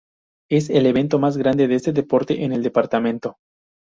Es el evento más grande de este deporte en el Departamento.